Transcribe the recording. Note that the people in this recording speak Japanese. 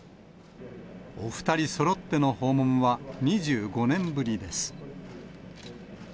お２人そろっての訪問は２５年ぶりです。